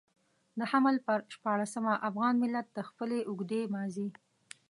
د حمل پر شپاړلسمه افغان ملت د خپلې اوږدې ماضي.